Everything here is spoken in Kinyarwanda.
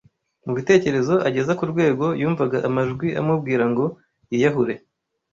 mu bitekerezo ageza ku rwego yumvaga amajwi amubwira ngo yiyahure